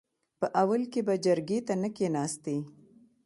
په اول کې به جرګې ته نه کېناستې .